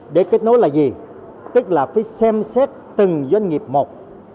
để kết nối là gì tức là phải xem xét từng doanh nghiệp một